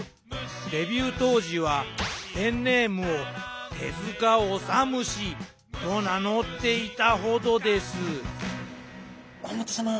デビュー当時はペンネームを手治虫と名乗っていたほどです甲本さま